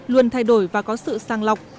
luôn thay đổi và có sự sang lọc